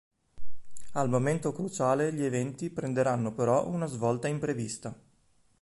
Al momento cruciale gli eventi prenderanno però una svolta imprevista.